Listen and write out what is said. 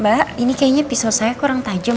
mbak ini kayaknya pisau saya kurang tajam